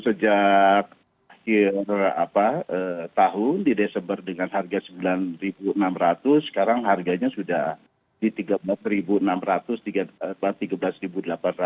sejak akhir tahun di desember dengan harga rp sembilan enam ratus sekarang harganya sudah di tiga belas enam ratus tiga belas delapan ratus